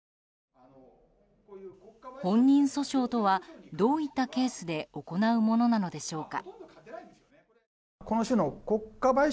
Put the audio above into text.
本人訴訟とはどういったケースで行うものなのでしょうか。